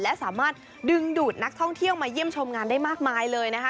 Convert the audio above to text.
และสามารถดึงดูดนักท่องเที่ยวมาเยี่ยมชมงานได้มากมายเลยนะคะ